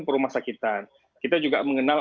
perumah sakitan kita juga mengenal